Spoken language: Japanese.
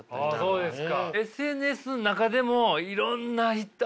そうです。